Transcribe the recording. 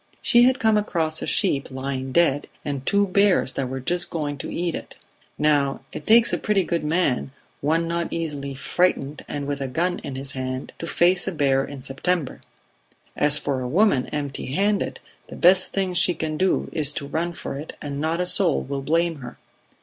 She had come across a sheep lying dead, and two bears that were just going to eat it. Now it takes a pretty good man, one not easily frightened and with a gun in his hand, to face a bear in September; as for a woman empty handed, the best thing she can do is to run for it and not a soul will blame her.